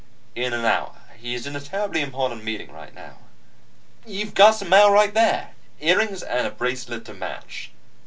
"In an hour. He's in a terribly important meeting right now." "You've got some mail right there. Earrings and a bracelet to match."